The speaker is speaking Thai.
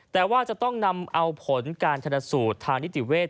แต่ว่าจะต้องนำเอาผลการชนสูตรทางนิติเวศ